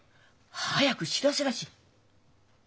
早く知らせらし！